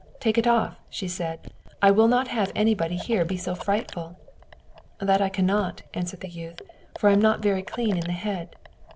"Take it off," said she: "I will not have anybody here so frightful." "That I cannot," answered the youth, "for I am not very clean in the head."